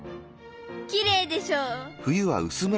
きれいでしょう！？